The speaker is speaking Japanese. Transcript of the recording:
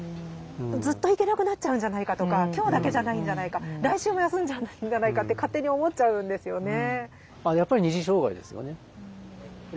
ずっと行けなくなっちゃうんじゃないかとか今日だけじゃないんじゃないか来週も休んじゃうんじゃないかって勝手に思っちゃうんですよね。